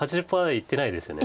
いってないです。